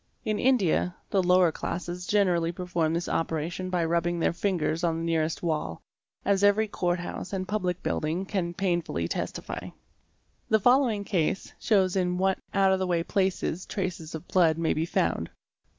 In India, the lower classes generally perform this operation by rubbing their fingers on the nearest wall, as every court house and public building can painfully testify. The following case shows in what out of the way places traces of blood may be found.